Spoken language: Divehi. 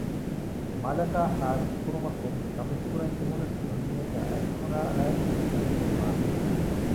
މަލަކާ ހާސިލް ކުރުމަށް ކޮންމެ ކަމެއް ކުރަން ޖެހުނަސް ދުނިޔޭގައި އަތް ފުނާ އަޅައިގެން ވެސް އެކަމެއް ކުރާނެ